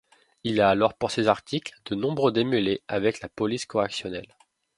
Il a alors pour ses articles de nombreux démêlés avec la police correctionnelle.